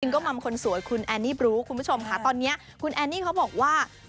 ก็มัมคนสวยคุณแอนนี่บลูคุณผู้ชมค่ะตอนนี้คุณแอนนี่เขาบอกว่า